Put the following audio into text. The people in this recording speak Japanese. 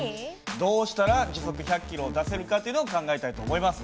どうしたら時速１００キロを出せるかというのを考えたいと思います。